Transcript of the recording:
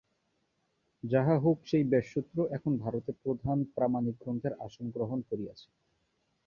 যাহা হউক সেই ব্যাসসূত্র এখন ভারতে প্রধান প্রামাণিক গ্রন্থের আসন গ্রহণ করিয়াছে।